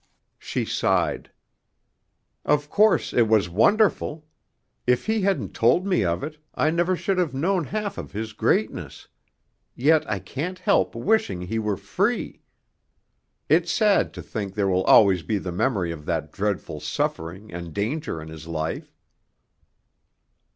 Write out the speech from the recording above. She sighed. "Of course it was wonderful. If he hadn't told me of it, I never should have known half of his greatness; yet I can't help wishing he were free. It's sad to think there will always be the memory of that dreadful suffering and danger in his life."